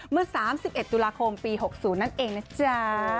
เมื่อ๓๑ตุลาคมปี๖๐นั่นเองนะจ๊ะ